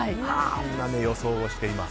みんな予想して。